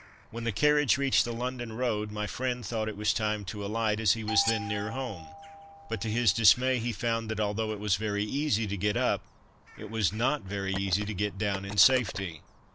When the carriage reached the London road my friend thought it was time to alight, as he was then near home; but to his dismay he found that, although it was very easy to get up, it was not very easy to get down in safety.